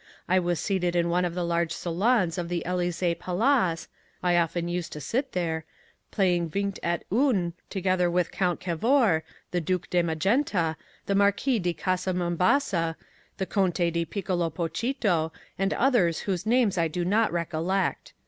I was seated in one of the large salons of the Elysee Palace (I often used to sit there) playing vingt et un together with Count Cavour, the Duc de Magenta, the Marquese di Casa Mombasa, the Conte di Piccolo Pochito and others whose names I do not recollect.